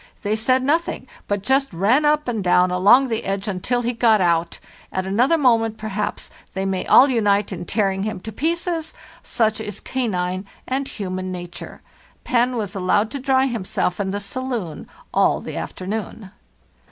They said nothing, but just ran up and down along the edge until he got out. At another moment, perhaps, they may all unite in tearing him to pieces; such is canine and human nature. 'Pan' was allowed to dry himself in the saloon all the after noon.